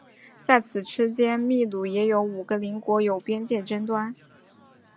在此期间秘鲁也与五个邻国有边界争端。